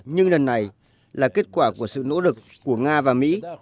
nhưng lần này là kết quả của sự nỗ lực của nga và mỹ